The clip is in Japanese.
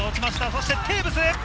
そしてテーブス。